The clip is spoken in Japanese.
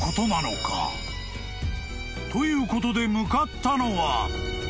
［ということで向かったのは］